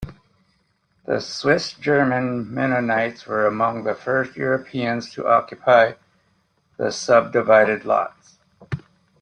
The Swiss-German Mennonites were among the first Europeans to occupy the subdivided lots.